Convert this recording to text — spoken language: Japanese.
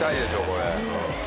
これ。